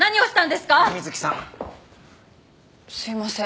すいません。